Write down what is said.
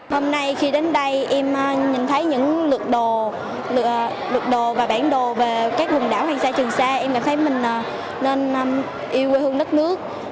hôm nay khi đến đây em nhìn thấy những lượt đồ và bản đồ về các vùng đảo hoàng sa trường sa em cảm thấy mình nên yêu quê hương đất nước